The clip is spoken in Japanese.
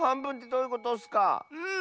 うん。